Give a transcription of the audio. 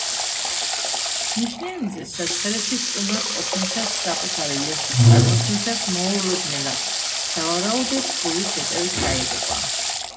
ნიშნიანიძე საჩხერეში სტუმრად ყოფნისას საკუთარი ლექსის წარმოთქმისას მოულოდნელად, სავარაუდოდ, გულის შეტევით დაიღუპა.